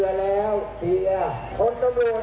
จะกลับไปที่พักให้น้ำเกลือแล้ว